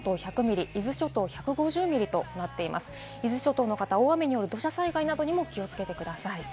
伊豆諸島の方、大雨による土砂災害などにも気をつけてください。